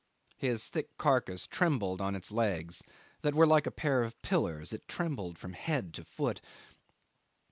His thick carcass trembled on its legs that were like a pair of pillars; it trembled from head to foot.